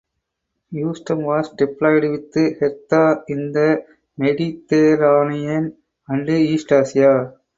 Usedom was deployed with Hertha in the Mediterranean and East Asia.